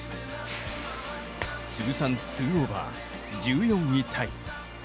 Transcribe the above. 通算２オーバー、１４位タイ。